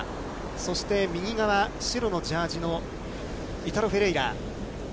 そして、右側、白のジャージのイタロ・フェレイラ。